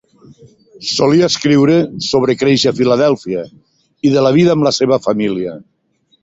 Solia escriure sobre créixer a Filadèlfia, i de la vida amb la seva família.